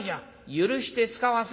許してつかわせ」。